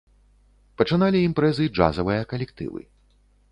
Пачыналі імпрэзы джазавыя калектывы.